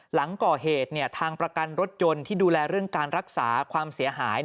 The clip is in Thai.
หลังก่อเหตุทางประกันรถยนต์ที่ดูแลเรื่องการรักษาความเสียหาย